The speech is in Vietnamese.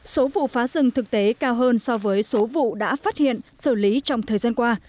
số vụ phá rừng thực tế cao hơn so với số vụ đã phát hiện xử lý trong thời gian qua